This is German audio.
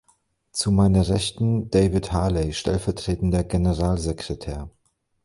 Zu meiner Rechten David Harley, stellvertretender Generalsekretär.